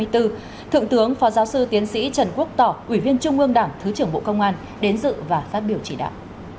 thượng tướng phó giáo sư tiến sĩ trần quốc tỏ ủy viên trung ương đảng thứ trưởng bộ công an đến dự và phát biểu chỉ đạo